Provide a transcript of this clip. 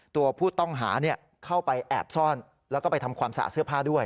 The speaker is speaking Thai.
ตัวผู้ต้องหาเข้าไปแอบซ่อนแล้วก็ไปทำความสะอาดเสื้อผ้าด้วย